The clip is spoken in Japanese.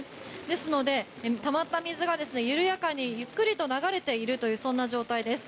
ですので、たまった水が緩やかにゆっくり流れているというそんな状況です。